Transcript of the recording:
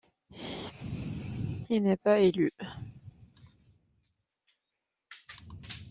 Il n'est pas élu.